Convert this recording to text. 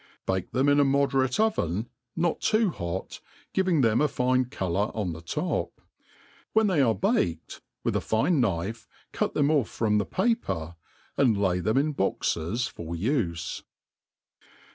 Bake them in a moderate oven, not too hot, giving them a fine colour on the top. When they are baked, with a fine knife cut them off from the paper, and lay them in boxes for ufe.